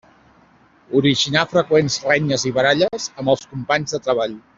Originar freqüents renyes i baralles amb els companys de treball.